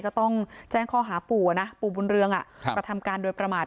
ก็ต้องแจ้งข้อหาปู่นะปู่บุญเรืองกระทำการโดยประมาท